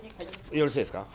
よろしいですか？